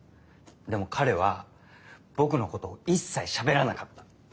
でも彼は僕のことを一切しゃべらなかった。